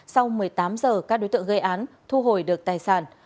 sau một mươi tám giờ các đối tượng gây án thu hồi được tài sản